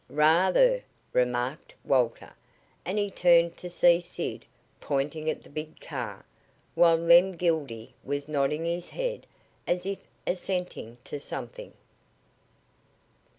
"Rather," remarked Walter, and he turned to see Sid pointing at the big car, while Lem Gildy was nodding his head as if assenting to something.